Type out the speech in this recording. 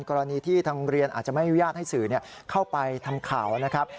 กรณีที่ทางเรียนอาจจะไม่อนุญาตให้สื่อเข้าไปทำข่าวนะครับ